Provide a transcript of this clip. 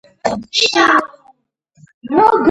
ამ ომში ოსმალეთი ცდილობდა მიემხრო საქართველოს მეფე-მთავრები.